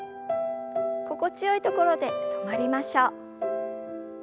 心地よいところで止まりましょう。